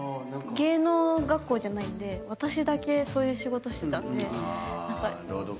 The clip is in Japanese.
芸能学校じゃないんで私だけそういう仕事してたので。